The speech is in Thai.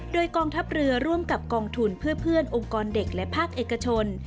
โดยกองทัพเรือร่วมกับกองทุนเพื่อเพื่อนองค์กรเด็กและภาคเอกชน